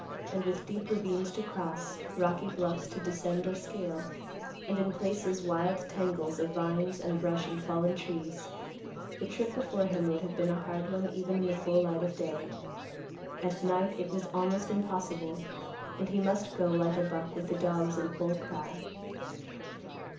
And with deep ravines to cross, rocky bluffs to descend or scale, and, in places, wild tangles of vines and brush and fallen trees, the trip before him would have been a hard one even in the full light of day. At night, it was almost impossible, and he must go like a buck with the dogs in full cry.